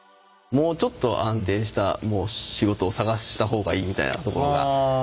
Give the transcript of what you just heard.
「もうちょっと安定した仕事を探したほうがいい」みたいなところが。